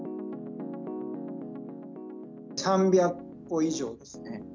３００個以上ですね。